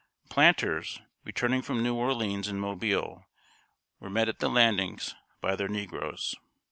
] Planters, returning from New Orleans and Mobile, were met at the landings by their negroes.